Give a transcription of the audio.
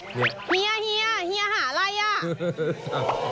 เฮียเฮียเฮียหาอะไรอ่ะ